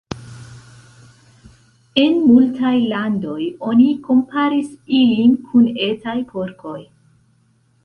En multaj landoj oni komparis ilin kun etaj porkoj.